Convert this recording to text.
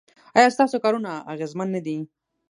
ایا ستاسو کارونه اغیزمن نه دي؟